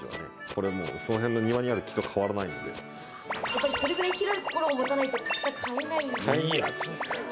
これその辺の庭にある木と変わらないんでやっぱりそれぐらい広い心を持たないとたくさん飼えないですよね